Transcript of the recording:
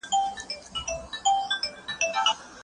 د بازار څیړنه د بریالیتوب لامل دی.